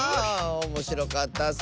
おもしろかったッス！